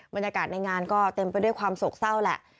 บรรยากาศในงานก็เต็มไปด้วยความโศกเศร้าแหละ